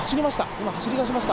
今、走り出しました。